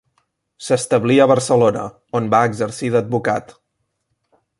S'establí a Barcelona, on va exercir d'advocat.